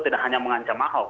tidak hanya mengancam ahok